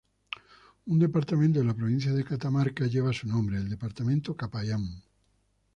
Un departamento de la provincia de Catamarca lleva su nombre, el departamento Capayán.